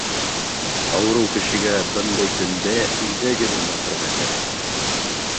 Ауырыу кешегә бындай көндә өйҙә генә ятырға кәрәк.